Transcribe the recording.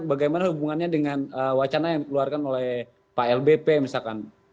bagaimana hubungannya dengan wacana yang dikeluarkan oleh pak lbp misalkan